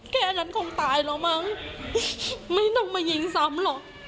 แค่นั้นคงตายแล้วมั้งไม่ต้องมายิงซ้ำหรอก